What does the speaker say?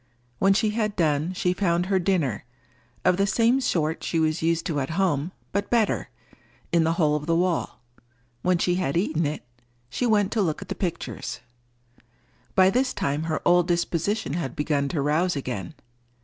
When she had done, she found her dinner—of the same sort she was used to at home, but better—in the hole of the wall. When she had eaten it, she went to look at the pictures. By this time her old disposition had begun to rouse again.